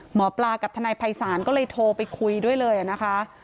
หมอปลากับทนายภัยศาลก็เลยโทรไปคุยด้วยเลยนะคะ